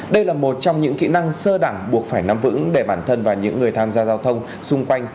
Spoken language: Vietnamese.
đây là một trong những kỹ năng sơ đẳng buộc phải nắm vững để bản thân và những người tham gia giao thông xung quanh